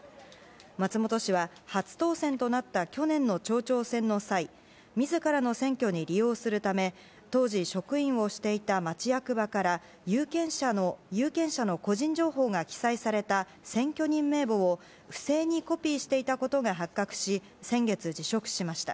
松本氏は初当選となった去年の町長選の際自らの選挙に利用する際当時職員をしていた町役場から有権者の個人情報が記載された選挙人名簿を不正にコピーしていたことが発覚し先月、辞職しました。